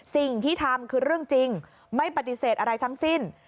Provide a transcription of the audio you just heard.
สิ่งที่ทำคือเรื่องจริงไม่ปฏิเสธอะไรทั้งสิ้น